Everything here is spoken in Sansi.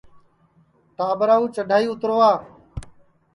ٹاٻرا کُو چڈھائی اُتاریں